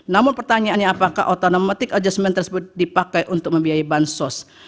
namun pertanyaannya apakah otonomatic adjustment tersebut dipakai untuk membiayai bansos